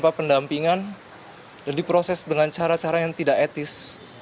dapat pendampingan dan diproses dengan cara cara yang tidak etis